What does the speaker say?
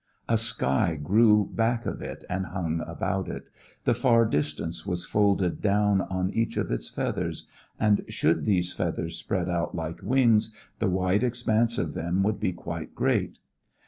A sky grew back of it and hung about it; the far distance was folded down on each of its feathers, and should these feathers spread out like wings, the wide expanse of them would be quite great.